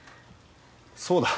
そうだ。